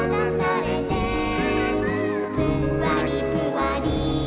「ぷんわりぷわり」